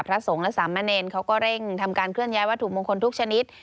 สงฆ์และสามเณรเขาก็เร่งทำการเคลื่อยวัตถุมงคลทุกชนิด